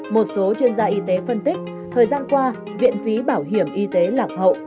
một số chuyên gia y tế phân tích thời gian qua viện phí bảo hiểm y tế lạc hậu